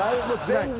全然。